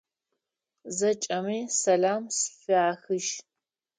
Зэкӏэми сэлам сфяхыжь!